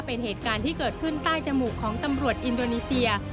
เป็นเหตุการณ์ที่เกิดขึ้นใต้จมูกของตำรวจอินโดนีเซีย